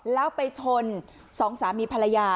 แล้วไปชนสองสามีภรรยา